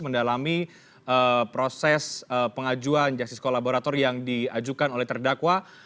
mendalami proses pengajuan justice kolaborator yang diajukan oleh terdakwa